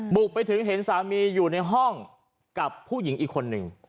บุกไปถึงเห็นสามีอยู่ในห้องกับผู้หญิงอีกคนหนึ่ง